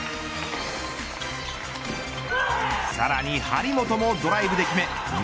さらに、張本もドライブで決め２